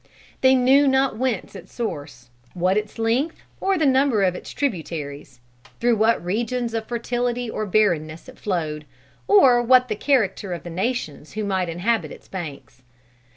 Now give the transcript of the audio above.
They knew not whence its source, what its length or the number of its tributaries, through what regions of fertility or barrenness it flowed, or what the character of the nations who might inhabit its banks.